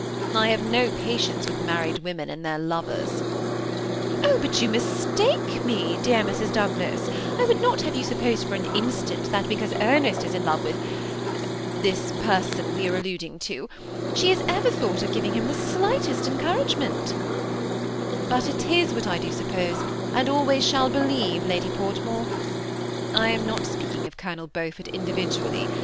I have no patience with married women and their lovers." ''Oh! but you mistake me, dear Mrs. Douglas; I would not have you suppose for an instant, that because Ernest is in love with this person we are alluding to, that she has ever thought of giving him the slightest encouragement" " But it is what I do suppose, and always shall be* lieve, Lady Portmore, I am not speaking of Colonel Beaufort individually.